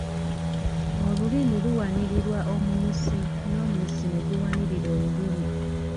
Olulimi luwanirirwa omunyusi n’omunyusi ne guwanirira olulimi.